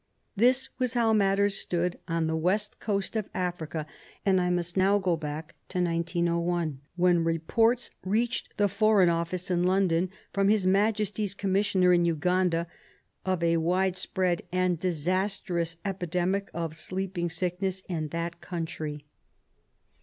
This was how matters stood on the West Coast of Africa, and I must now go back to 1901, when reports reached the ^Foreign Office in London from His Majesty's Commissioner in Uganda of a widespread and disastrous epidemic of sleep ing sickness in tha.t country.